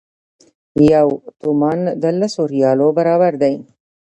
یو تومان د لسو ریالو برابر دی.